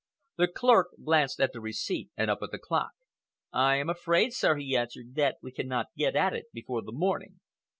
The clerk glanced at the receipt and up at the clock. "I am afraid, sir," he answered, "that we cannot get at it before the morning."